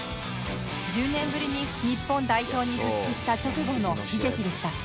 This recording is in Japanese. １０年ぶりに日本代表に復帰した直後の悲劇でした